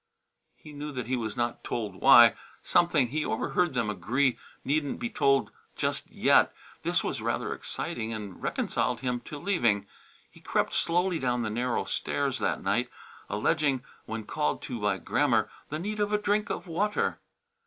He knew that he was not told why; something, he overheard them agree, needn't be told "just yet." This was rather exciting and reconciled him to leaving. He crept softly down the narrow stairs that night, alleging, when called to by Grammer, the need of a drink of water.